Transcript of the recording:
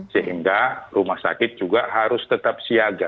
sehingga rumah sakit juga harus tetap siaga